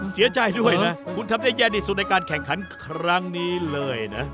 เสียใจด้วยนะคุณทำได้แย่ที่สุดในการแข่งขันครั้งนี้เลยนะ